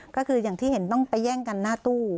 ก็คืออย่างที่เห็นต้องไปแย่งกันหน้าตู้